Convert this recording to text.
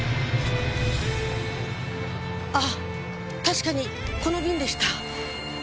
あっ確かにこの瓶でした。